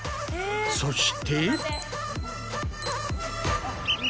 そして。